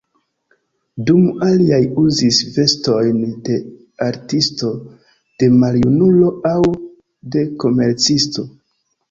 Dum aliaj uzis vestojn de artisto, de maljunulo aŭ de komercisto.